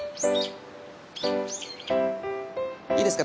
いいですか？